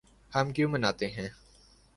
ہم کیوں مناتے ہیں